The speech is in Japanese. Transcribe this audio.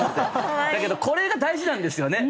だけどこれが大事なんですよね。